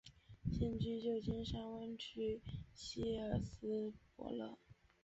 现居旧金山湾区希尔斯伯勒。